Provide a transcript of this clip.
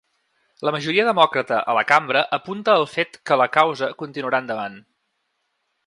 La majoria demòcrata a la cambra apunta al fet que la causa continuarà endavant.